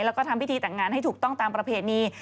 แล้วก็ทำพิธีแต่งงานให้ถูกต้องตามประเพณี